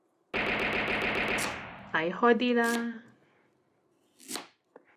睇開啲啦